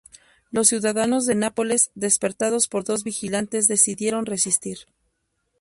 Los ciudadanos de Nápoles, despertados por dos vigilantes, decidieron resistir.